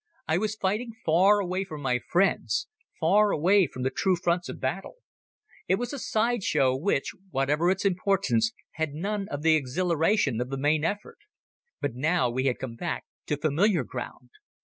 I was fighting far away from my friends, far away from the true fronts of battle. It was a side show which, whatever its importance, had none of the exhilaration of the main effort. But now we had come back to familiar ground.